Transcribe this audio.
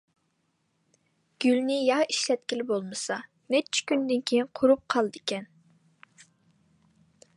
گۈلنى يا ئىشلەتكىلى بولمىسا، نەچچە كۈندىن كېيىن قۇرۇپ قالىدىكەن.